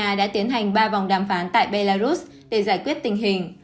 đã đặt vòng đàm phán tại belarus để giải quyết tình hình